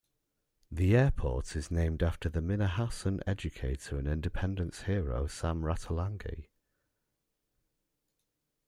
The airport is named after the Minahasan educator and independence hero Sam Ratulangi.